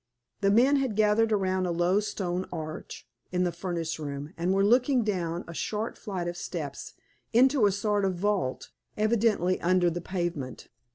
The men had gathered around a low stone arch in the furnace room, and were looking down a short flight of steps, into a sort of vault, evidently under the pavement.